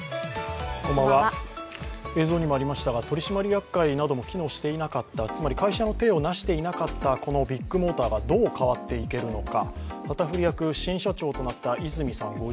映像にもありましたが、取締役会なども機能していなかったつまり会社の体をなしていなかったこのビッグモーターがどう変わっていけるのか。